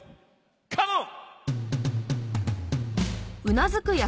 カモン！